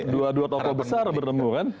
dua dua tokoh besar bertemu kan